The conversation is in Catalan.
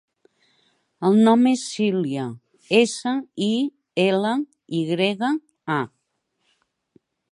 El nom és Silya: essa, i, ela, i grega, a.